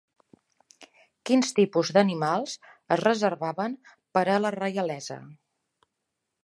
Quins tipus d'animals es reservaven per a la reialesa?